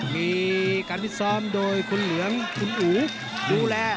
มีการพิซ้อมโดยคุณเหลืองคุณอูดูแล